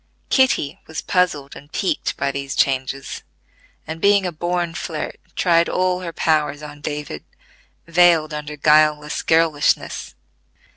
Kitty was puzzled and piqued by these changes, and being a born flirt tried all her powers on David, veiled under guileless girlishness.